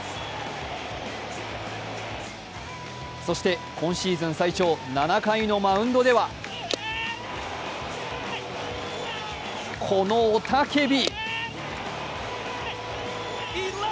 そして今シーズン最長７回のマウンドではこの雄たけび。